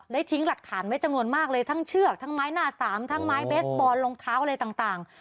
ทิ้งหลักฐานไว้จำนวนมากเลยทั้งเชือกทั้งไม้หน้าสามทั้งไม้เบสบอลรองเท้าอะไรต่าง